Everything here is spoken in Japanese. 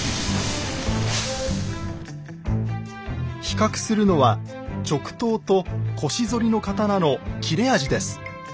比較するのは直刀と腰反りの刀の切れ味です。